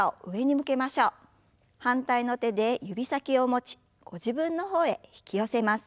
反対の手で指先を持ちご自分の方へ引き寄せます。